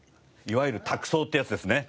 いわゆるタク送ってやつですね